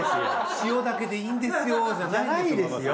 塩だけでいいんですよじゃないんですよ